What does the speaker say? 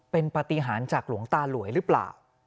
เป็นปฏิหารจากหลวงตาหลวยหรือเปล่า